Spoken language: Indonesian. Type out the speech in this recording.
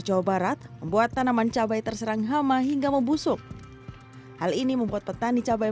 jawa barat membuat tanaman cabai terserang hama hingga membusuk hal ini membuat petani cabai